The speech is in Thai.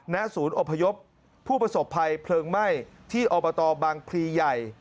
ณศูนย์อพยพผู้ประสบภัยเพลิงไหม้ที่อบตบางพลีใหญ่